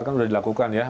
kan udah dilakukan ya